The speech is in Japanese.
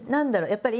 やっぱり